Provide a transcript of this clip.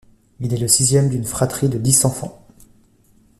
Il est le sixième d'une fratrie de dix enfants.